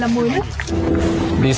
ồ năm tháng